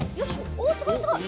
おすごいすごい！